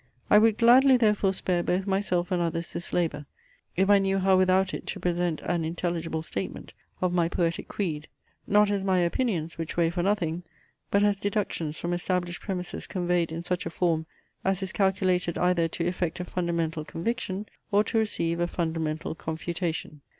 I would gladly therefore spare both myself and others this labour, if I knew how without it to present an intelligible statement of my poetic creed, not as my opinions, which weigh for nothing, but as deductions from established premises conveyed in such a form, as is calculated either to effect a fundamental conviction, or to receive a fundamental confutation.